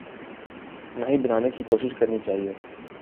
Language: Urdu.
نہ ہی بنانے کی کوشش کرنی چاہیے۔